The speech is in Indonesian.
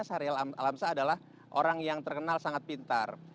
sahrial alam sah adalah orang yang terkenal sangat pintar